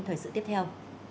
thời sự tiếp theo